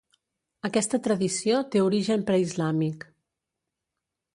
Aquesta tradició té origen preislàmic.